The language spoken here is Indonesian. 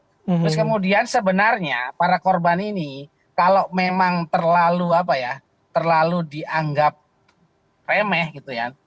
terus kemudian sebenarnya para korban ini kalau memang terlalu apa ya terlalu dianggap remeh gitu ya